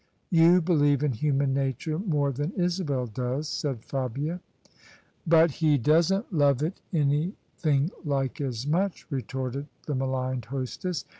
"You believe in human nature more than Isabel docs," said Fabia. " But he doesn't love it anything like as much," retorted the maligned hostess.